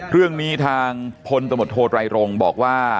เรื่องนี้ทางพลตมตโทรไลโรงบอกว่า